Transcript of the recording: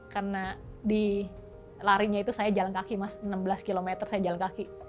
karena di larinya itu saya jalan kaki mas enam belas km saya jalan kaki